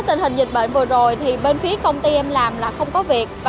tình hình dịch bệnh vừa rồi thì bên phía công ty em làm là không có việc